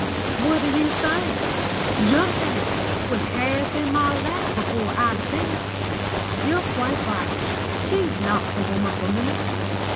"What do you think? Jumped at it. Was half in my lap before I'd finished. You're quite right: she's not the woman for me.